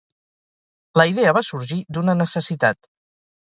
La idea va sorgir d’una necessitat.